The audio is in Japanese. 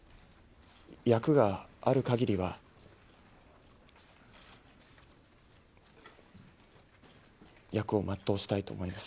役があるかぎりは、役を全うしたいと思います。